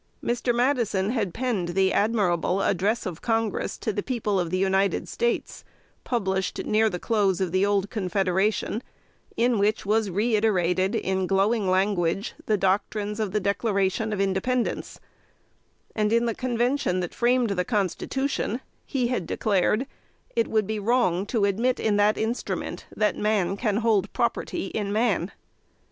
Mr. Madison had penned the memorable Address of Congress to the people of the United States, published near the close of the old Confederation, in which was reiterated, in glowing language, the doctrines of the Declaration of Independence; and in the Convention that framed the Constitution, he had declared "it would be wrong to admit, in that instrument, that man can hold property in man." [Sidenote: 1810.